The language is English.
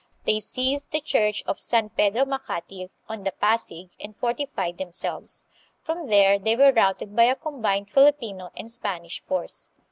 They seized the church of San Pedro Macati, on the Pasig, and fortified themselves. From there they were routed by a combined Filipino and Spanish force.